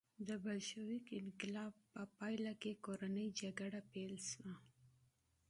د بلشویک انقلاب په پایله کې کورنۍ جګړه پیل شوه